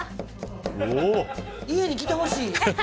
家に来てほしい。